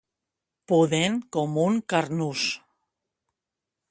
Pudent com un carnús.